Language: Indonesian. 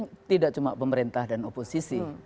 saya pikir tidak cuma pemerintah dan oposisi